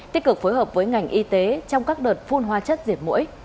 tích cực phối hợp với ngành y tế trong các đợt phun hóa chất diệt mũi